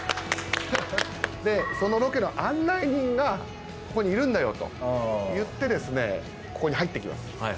そのロケの案内人がここにいるんだよと言ってここに入ってきます。